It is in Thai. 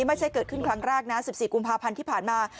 ไม่ใช่เกิดขึ้นครั้งแรกนะ๑๔กุมภาพันธ์ที่ผ่านมา